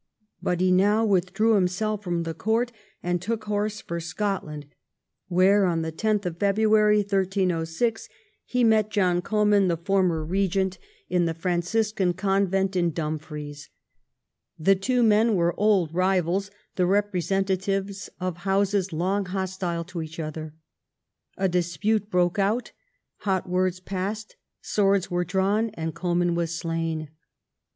But he now Avithdrew himself from the court and took horse for Scotland, Avhere on 10th February 1306 he met John Comyn, the former regent, in the Q 226 EDWARD I chap. Franciscan Convent at Dumfries. The two men were old rivals, the representatives of houses long hostile to each other. A dispute broke out. Hot words passed. Swords were drawn, and Comyn was slain.